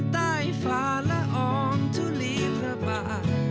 ฟ้าละอองทุลีพระบาท